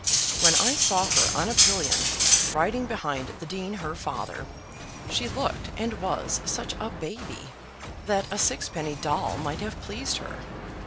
When I saw her on a pillion, riding behind the Dean her father, she looked and was such a baby, that a sixpenny doll might have pleased her.